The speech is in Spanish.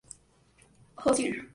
Ozzie Jr.